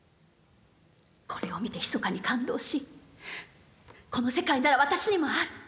これを見てひそかに感動し「この世界なら私にもある。